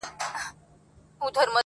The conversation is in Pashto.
عجیبه ده لېونی آمر مي وایي.